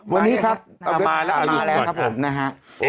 วันนี้ครับมาแล้วมาแล้วครับผมนะฮะ